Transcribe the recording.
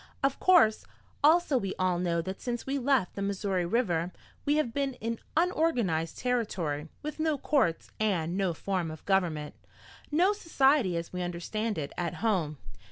Of course, also we all know that since we left the Missouri River we have been in unorganized territory, with no courts and no form of government, no society as we understand it at home.